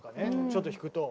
ちょっと弾くと。